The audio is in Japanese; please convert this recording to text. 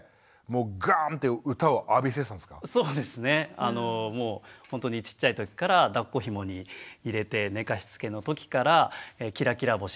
あのもうほんとにちっちゃいときからだっこひもに入れて寝かしつけのときから「きらきらぼし」